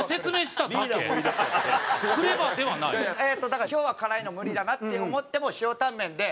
だから今日は辛いの無理だなって思っても塩タンメンで。